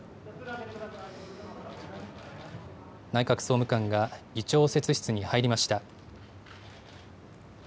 内閣総務官が議長応接室に入りました。